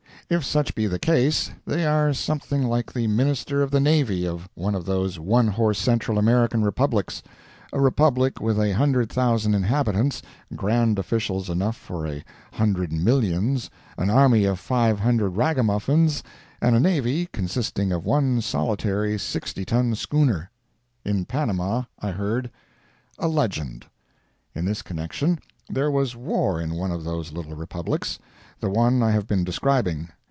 If such be the case, they are something like the Minister of the Navy of one of those one horse Central American Republics—a republic with a hundred thousand inhabitants, grand officials enough for a hundred millions, an "army" of five hundred ragamuffins and a "navy" consisting of one solitary 60 ton schooner. In Panama I heard A Legend In this connection. There was war in one of those little republics—the one I have been describing.